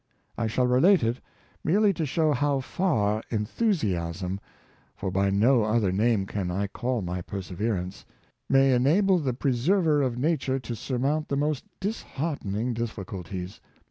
I shall relate it, merely to show how far enthusiasm — for by no other name can I call my perseverance — may enable the preserver of na ture to surmount the most disheartening difficulties.